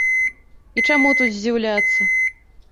І чаму тут здзіўляцца?